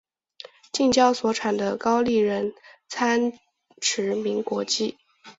近郊所产的高丽人参驰名国际。